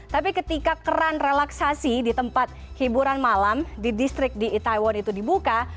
tapi ketika keran relaksasi di tempat hiburan malam di distrik di itaewon itu dibuka